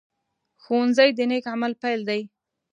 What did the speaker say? ښوونځی د نیک عمل پيل دی